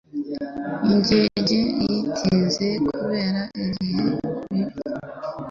Indege yatinze kubera ibihe bibi.